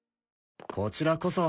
こちらこそ。